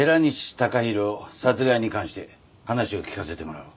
高広殺害に関して話を聞かせてもらおう。